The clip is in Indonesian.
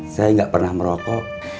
saya gak pernah merokok